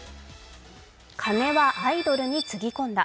金はアイドルにつぎ込んだ。